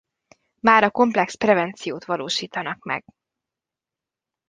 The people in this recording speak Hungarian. Mára komplex prevenciót valósítanak meg.